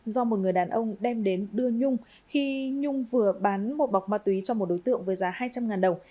do một người đàn ông đem đến đưa nhung khi nhung vừa bán một bọc ma túy cho một đối tượng với giá hai trăm linh đồng